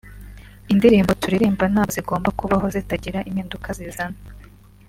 indirimbo turirimba ntabwo zigomba kubaho zitagira impinduka zizana